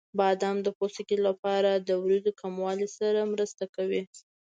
بادام د پوستکي لپاره د وریځو کموالي سره مرسته کوي.